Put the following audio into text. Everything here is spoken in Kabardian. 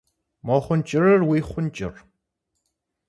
Мо хъун кӏырыр уи хъун кӏыр?